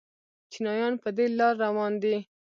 چینایان په دې لار روان دي.